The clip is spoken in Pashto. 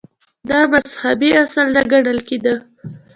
• دا مذهبي اصل نه ګڼل کېده.